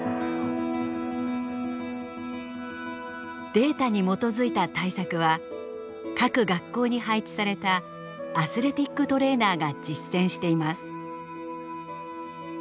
データに基づいた対策は各学校に配置されたアスレティックトレーナーが実践しています。